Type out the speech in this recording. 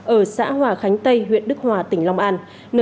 ở xã hòa khánh tây huyện đức hòa tỉnh long an